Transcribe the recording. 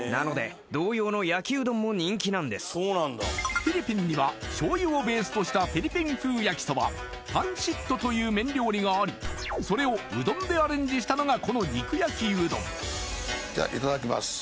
フィリピンには醤油をベースとしたフィリピン風焼きそばパンシットという麺料理がありそれをうどんでアレンジしたのがこの肉焼きうどんじゃあいただきます